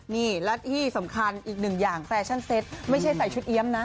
นี่และที่สำคัญอีกหนึ่งอย่างแฟชั่นเซ็ตไม่ใช่ใส่ชุดเอี๊ยมนะ